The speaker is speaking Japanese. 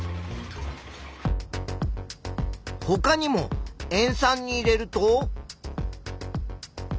ほかにも塩酸に入れると。